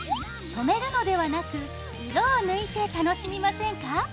染めるのではなく色を抜いて楽しみませんか。